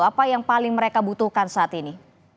apa yang paling mereka butuhkan saat ini